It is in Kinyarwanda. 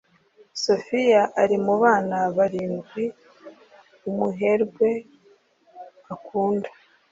sofiya ari mu bana barindwi umuherwe akunda